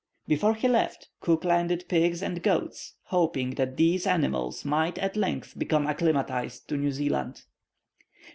Before he left, Cook landed pigs and goats, hoping that these animals might at length become acclimatized to New Zealand.